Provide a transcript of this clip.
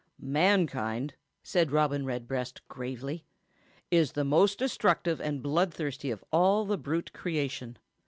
"Mankind," said Robin Redbreast, gravely, "is the most destructive and bloodthirsty of all the brute creation.